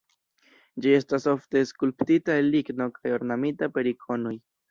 Ĝi estas ofte skulptita el ligno kaj ornamita per ikonoj.